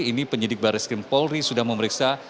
ini penyidik baris krim polri sudah memeriksa